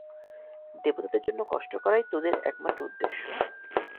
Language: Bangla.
দেবতাদের জন্য কষ্ট করাই তোদের একমাত্র উদ্দেশ্য।